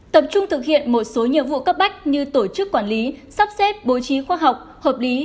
tập trung thực hiện một số nhiệm vụ cấp bách như tổ chức quản lý sắp xếp bố trí khoa học hợp lý